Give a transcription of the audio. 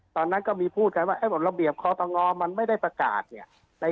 ตอนนั้นก็มีพูดกันว่าระเบียบคอตงมันไม่ได้ประกาศเนี่ย